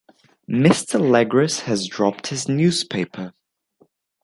Mr Legris had dropped his newspaper.